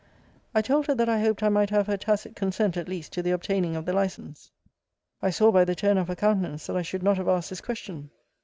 I told her that I hoped I might have her tacit consent at least to the obtaining of the license. I saw by the turn of her countenance that I should not have asked this question.